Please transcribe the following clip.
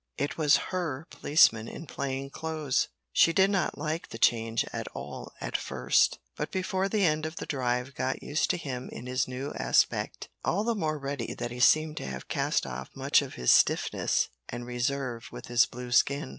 It was her policeman in plain clothes! She did not like the change at all at first, but before the end of the drive got used to him in his new aspect all the more readily that he seemed to have cast off much of his stiffness and reserve with his blue skin.